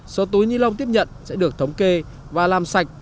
số túi ni lông tiếp nhận sẽ được thống kê và làm sạch